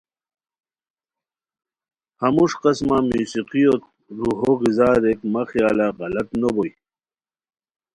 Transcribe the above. ہموݰ قسمہ موسیقیوت روحو غذا ریک مہ خیالہ غلط نو بوئے